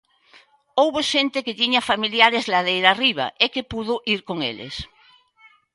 Houbo xente que tiña familiares ladeira arriba e que puido ir con eles.